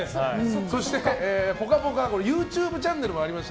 そして「ぽかぽか」ＹｏｕＴｕｂｅチャンネルもありまして